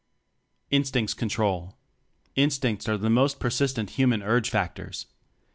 Instincts Control. Instincts are the most persistent human urge factors.